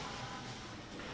jadi kita juga bisa menyelamatkan